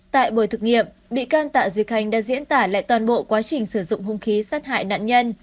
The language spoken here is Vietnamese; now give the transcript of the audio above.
tại bộ thực nghiệm bị can tạo duyệt hành đã diễn tả lại toàn bộ quá trình sử dụng hung khí sát hại nạn nhân